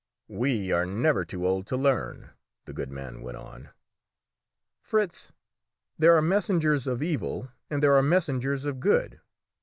"We are never too old to learn," the good man went on. "Fritz, there are messengers of evil and there are messengers of good.